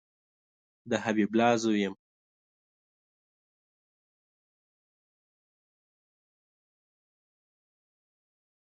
د حبیب الله زوی یم